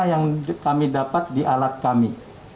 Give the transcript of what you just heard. yang kami dapat di alat kami